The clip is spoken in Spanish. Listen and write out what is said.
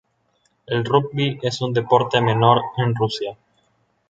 El Rugby es un deporte menor en Rusia.